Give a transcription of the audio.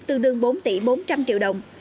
tương đương bốn tỷ bốn trăm linh triệu đồng